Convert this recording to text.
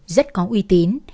rất có uy tín